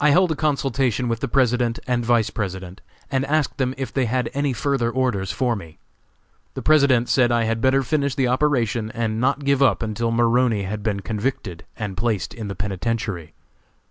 I held a consultation with the President and Vice President, and asked them if they had any further orders for me. The President said I had better finish the operation, and not give up until Maroney had been convicted and placed in the Penitentiary.